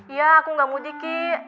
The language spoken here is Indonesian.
iya aku gak mudik ki